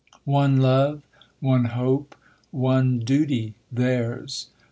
One love, one hope, one duty theirs!